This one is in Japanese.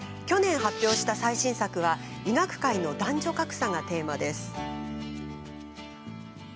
去年、発表した最新作は医学界の男女格差がテーマです。